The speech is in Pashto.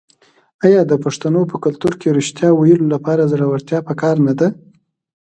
آیا د پښتنو په کلتور کې د ریښتیا ویلو لپاره زړورتیا پکار نه ده؟